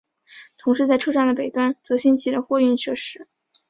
同时在车站的北端则兴起了货运设施。